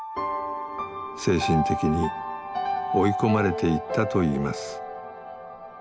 精神的に追い込まれていったといいます。